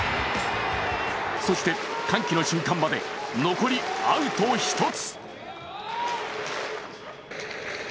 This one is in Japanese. そして歓喜の瞬間まで、残りアウト１つ。